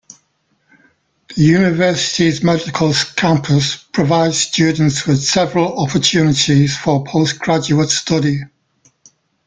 The university's medical campus provides students with several opportunities for postgraduate study.